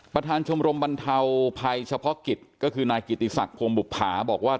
ประธานชมรมบรรเทาภัยเฉพาะกิจก็คือนายกิติศักดิ์พงศ์บุภาบอกว่า